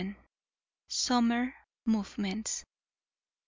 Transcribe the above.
SUMMER MOVEMENTS.